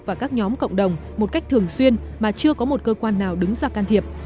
và các nhóm cộng đồng một cách thường xuyên mà chưa có một cơ quan nào đứng ra can thiệp